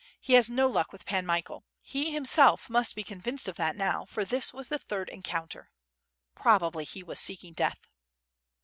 He has no luck with Pan Michael; he himself must be convinced of that now, for this was the third encounter. Probably he was seeking death."